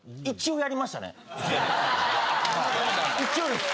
一応です。